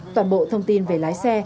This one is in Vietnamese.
toàn bộ thông tin về lái xe